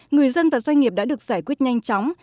người dân và doanh nghiệp đã được giải quyết nhanh chóng